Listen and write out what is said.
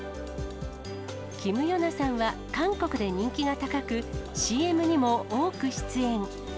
キム・ヨナさんは、韓国で人気が高く、ＣＭにも多く出演。